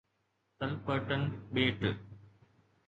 Clipperton ٻيٽ